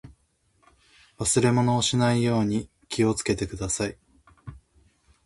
忘れ物をしないように気をつけてください。